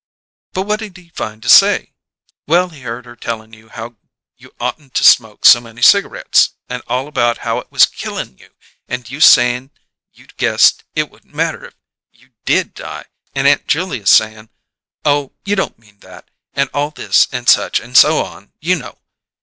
"But what did he find to say?" "Well, he heard her tellin' you how you oughtn't to smoke so many cigarettes and all about how it was killin' you, and you sayin' you guessed it wouldn't matter if you did die, and Aunt Julia sayin' 'Oh, you don't mean that,' and all this and such and so on, you know.